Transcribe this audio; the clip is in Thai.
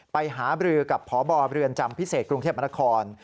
ไปหาบรือกับพบเรือนจำพิเศษกรุงเทพมนคร